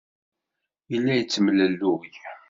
Yella yettemlelluy.